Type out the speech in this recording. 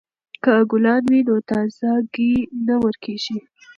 که ګلان وي نو تازه ګي نه ورکیږي.